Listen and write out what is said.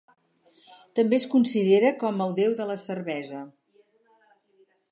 També es considera com el déu de la cervesa.